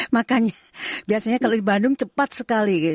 makanya biasanya kalau di bandung cepat sekali